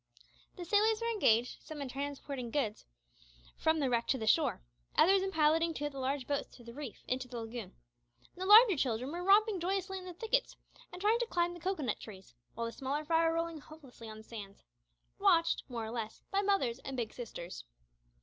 The sailors were engaged, some in transporting goods from the wreck to the shore, others in piloting two of the large boats through the reef into the lagoon, and the larger children were romping joyously in the thickets and trying to climb the cocoa nut trees, while the smaller fry were rolling helplessly on the sands watched, more or less, by mothers and big sisters.